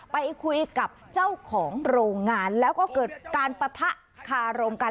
ไปคุยกับเจ้าของโรงงานแล้วก็เกิดการปะทะคารมกัน